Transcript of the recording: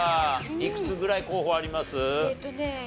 いくつぐらい候補あります？